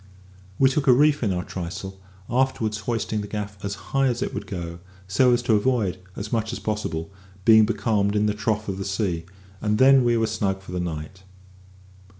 We took a reef in our trysail, afterwards hoisting the gaff as high as it would go, so as to avoid, as much as possible, being becalmed in the trough of the sea, and then we were snug for the night.